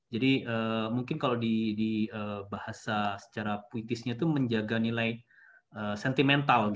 jadi mungkin kalau di bahasa secara puitisnya itu menjaga nilai sentimental